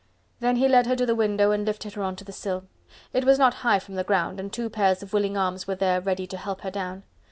Then he led her to the window, and lifted her onto the sill. It was not high from the ground and two pairs of willing arms were there ready to help her down.